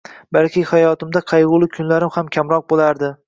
Balki hayotimda qayg‘uli kunlarim ham kamroq bo‘lardi.